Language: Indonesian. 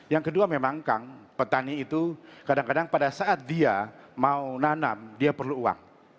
yang kedua memang kang petani itu kadang kadang pada saat dia mau nanam dia perlu uang